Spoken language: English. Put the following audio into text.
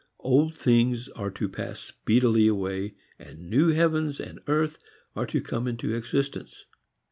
Old things are to pass speedily away and a new heavens and earth are to come into existence.